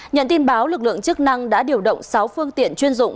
nhận tin báo lực lượng chức năng đã điều động sáu phương tiện chuyên dụng